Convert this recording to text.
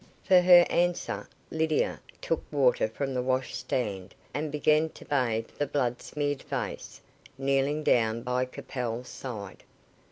For her answer, Lydia took water from the wash stand, and began to bathe the blood smeared face, kneeling down by Capel's side.